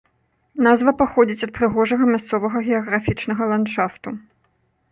Назва паходзіць ад прыгожага мясцовага геаграфічнага ландшафту.